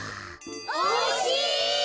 おいしい！